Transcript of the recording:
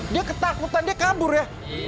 dia ketakutan dia kabur ya